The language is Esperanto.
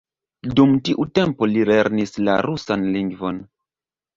Dum tiu tempo li lernis la rusan lingvon.